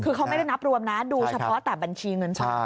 คือเขาไม่ได้นับรวมนะดูเฉพาะแต่บัญชีเงินสด